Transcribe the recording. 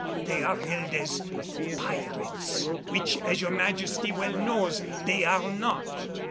They are held as pirates, which, as your Majesty well knows, they are not."